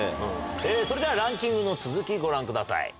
それではランキングの続きご覧ください。